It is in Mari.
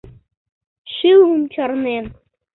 — Шӱлымым чарнен...